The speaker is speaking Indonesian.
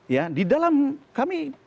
ya di dalam kami